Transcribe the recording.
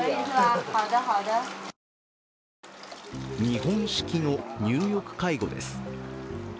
日本式の入浴介護です。